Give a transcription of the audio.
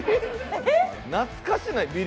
懐かしない？